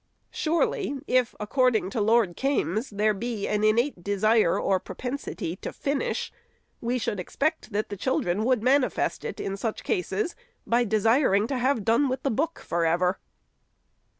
Surely, if, according to Lord Kaimes, there be an innate desire or propensity to finish, we should expect that the children would manifest it, in such cases, by desiring to have done with the book forever.